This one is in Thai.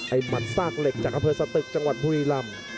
ไอ้มัดซากเหล็กจากกระเภอสะตึกจังหวัดพุทธิรัมน์